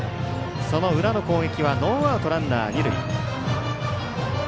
その裏の攻撃はノーアウト、ランナー、二塁。